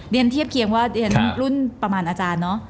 เทียบเคียงว่าเรียนรุ่นประมาณอาจารย์เนอะ